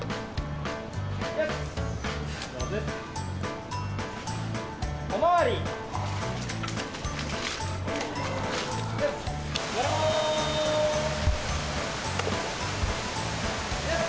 よし。